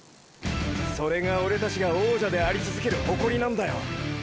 それがオレたちが王者でありつづける誇りなんだよ。